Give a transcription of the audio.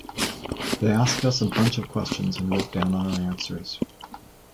They asked us a bunch of questions and wrote down our answers.